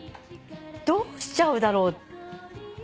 どうしちゃうだろう。